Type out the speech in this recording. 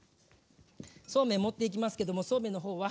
そうめん盛っていきますけどもそうめんの方は